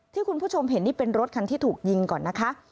คุณผู้ชมเห็นนี่เป็นรถคันที่ถูกยิงก่อนนะคะ